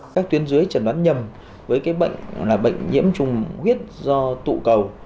các tuyến dưới chẩn đoán nhầm với cái bệnh là bệnh nhiễm trùng huyết do tụ cầu